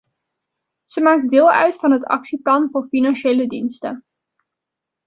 Ze maakt deel uit van het actieplan voor financiële diensten.